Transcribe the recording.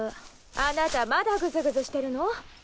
あなたまだぐずぐずしてるの？